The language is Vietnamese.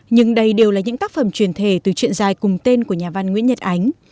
nhưng đây đều là những tác phẩm truyền thể từ chuyện dài cùng tên của nhà văn nguyễn nhật ánh